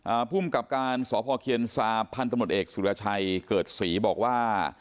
ภูมิกับการสพเคียนซาพันธมตเอกสุรชัยเกิดศรีบอกว่า